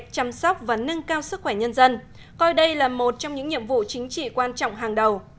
chăm sóc và nâng cao sức khỏe nhân dân coi đây là một trong những nhiệm vụ chính trị quan trọng hàng đầu